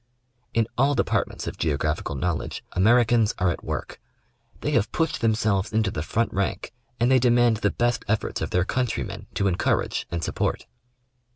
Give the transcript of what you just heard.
In all departments of geographical knowledge, Americans are at work. They have pushed themselves into the front rank and they demand the best efforts of their countrymen to encourage and support.